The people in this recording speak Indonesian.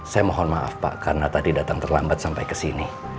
saya mohon maaf pak karena tadi datang terlambat sampai ke sini